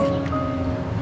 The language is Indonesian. mah pamat ya